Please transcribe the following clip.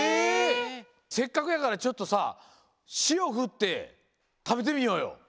せっかくやからちょっとさしおふってたべてみようよ。